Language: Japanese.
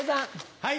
はい。